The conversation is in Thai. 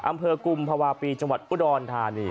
อำเภอกุมภาวะปีจังหวัดอุดรธานี